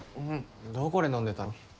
どこで飲んでたの？